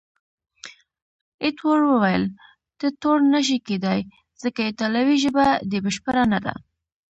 ایټور وویل، ته تورن نه شې کېدای، ځکه ایټالوي ژبه دې بشپړه نه ده.